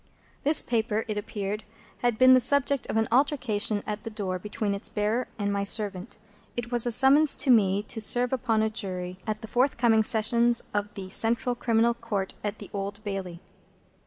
This paper, it appeared, had been the subject of an altercation at the door between its bearer and my servant. It was a summons to me to serve upon a Jury at the forthcoming Sessions of the Central Criminal Court at the Old Bailey.